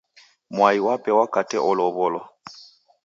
Mwai wape wakate olow'olwa.